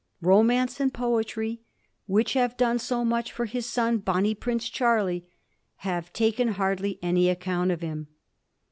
Romance and poetry, which have done so much for his son ' Bonnie Prince Charlie,' have taken hardly any account of him.